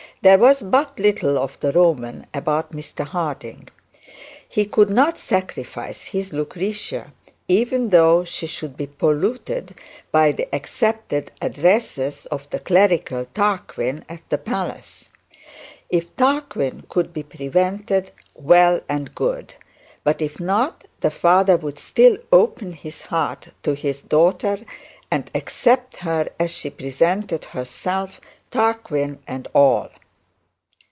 There was but little of the Roman about Mr Harding. He could not sacrifice his Lucretia even though she should be polluted by the accepted addresses of the clerical Tarquin at the palace. If Tarquin could be prevented, well and good; but if not, the father would still open his heart to his daughter, and accept her as she present herself, Tarquin and all.